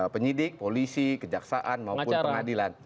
penyidik polisi kejaksaan maupun pengadilan